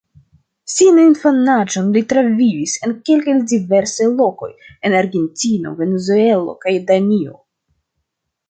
Sian infanaĝon li travivis en kelkaj diversaj lokoj en Argentino, Venezuelo kaj Danio.